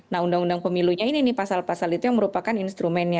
nah undang undang pemilunya ini nih pasal pasal itu yang merupakan instrumennya